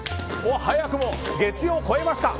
早くも月曜超えました。